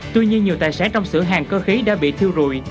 tuy nhiên nhiều tài sản trong xưởng hàng cơ khí đã bị thiêu rùi